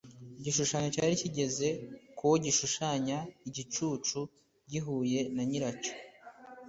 igishushanyo cyari kigeze k’uwo gishushanya, igicucu gihuye na nyiracyo.